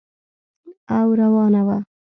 او روانه وه.